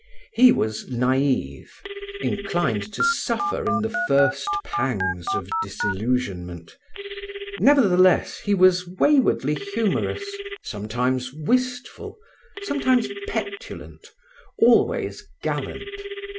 He was naïve, inclined to suffer in the first pangs of disillusionment; nevertheless, he was waywardly humorous, sometimes wistful, sometimes petulant, always gallant.